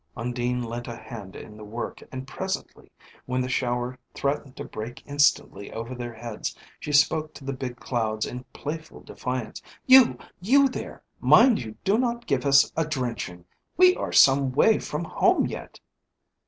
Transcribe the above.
Undine lent a hand in the work, and presently, when the shower threatened to break instantly over their heads, she spoke to the big clouds in playful defiance: "You, you there! mind you do not give us a drenching; we are some way from home yet."